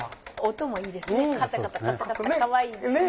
音もいいですね。